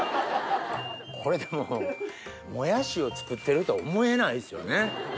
これでももやしを作ってるとは思えないですよねうん。